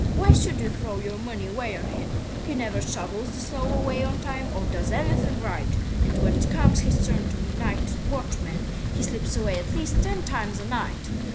Why should you throw your money away on him? He never shovels the snow away on time, or does anything right. And when it comes his turn to be night watchman, he slips away at least ten times a night.